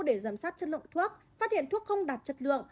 để giám sát chất lượng thuốc phát hiện thuốc không đạt chất lượng